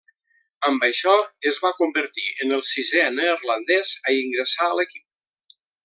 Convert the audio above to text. Amb això, es va convertir en el sisè neerlandès a ingressar a l'equip.